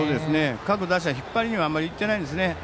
各打者、引っ張りにはあまり行っていないんですよね。